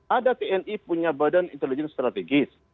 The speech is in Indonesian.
ada tni punya badan intelijen strategis